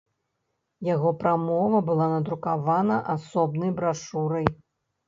Яго прамова была надрукавана асобнай брашурай.